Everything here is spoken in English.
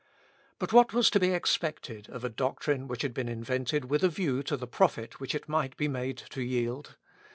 But what was to be expected of a doctrine which had been invented with a view to the profit which it might be made to yield?